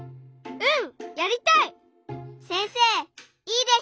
うん。